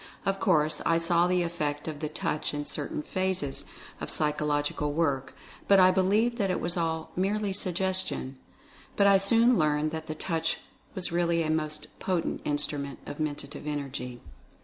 Of course I saw the effect of the Touch in certain phases 238 Mental Fascination of psychological work, but I believed that it was all "merely suggestion/' but I soon learned that the Touch was really a most potent Instrument of Menta tive Energy.